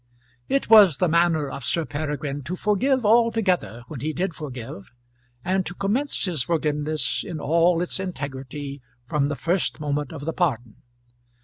It was the manner of Sir Peregrine to forgive altogether when he did forgive; and to commence his forgiveness in all its integrity from the first moment of the pardon.